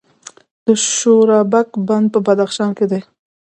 د شورابک بند په بدخشان کې دی